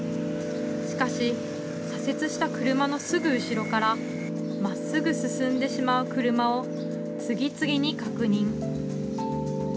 しかし左折した車のすぐ後ろからまっすぐ進んでしまう車を次々に確認。